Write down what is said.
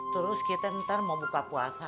terus kita ntar mau buka puasa